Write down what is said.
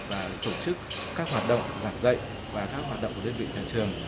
và tổ chức các hoạt động giảng dạy và các hoạt động của đơn vị nhà trường